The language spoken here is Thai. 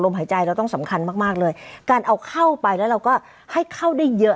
หายใจเราต้องสำคัญมากมากเลยการเอาเข้าไปแล้วเราก็ให้เข้าได้เยอะ